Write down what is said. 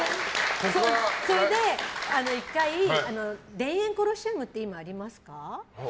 それで１回田園コロシアムって今ありますか？